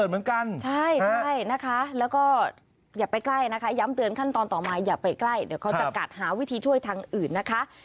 เดี๋ยวเขาจะกัดหาวิธีช่วยทางอื่นนะคะ